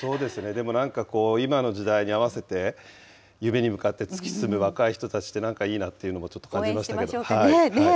でもなんか、今の時代に合わせて、夢に向かって突き進む若い人たちってなんかいいなっていうのもち応援しましょうかね。